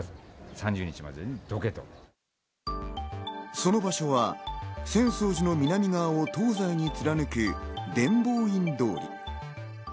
その場所は、浅草寺の南側を東西に貫く伝法院通り。